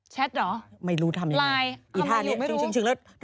แชตหรอไลน์ทำไมอยู่ไม่รู้